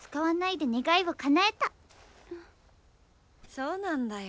そうなんだよ。